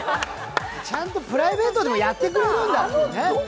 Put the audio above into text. ちゃんとプライベートでやってくれるんだ。